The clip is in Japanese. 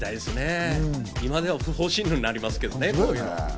今では不法侵入になりますけどね。